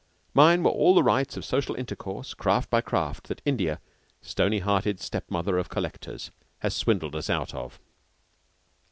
Mine were all the rights of social intercourse, craft by craft, that India, stony hearted step mother of collectors, has swindled us out of.